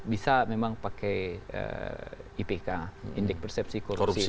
bisa memang pakai ipk indeks persepsi korupsi